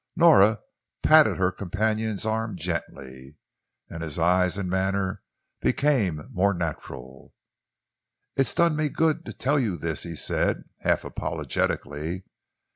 Nora patted her companion's arm gently, and his eyes and manner became more natural. "It's done me good to tell you this," he said, half apologetically.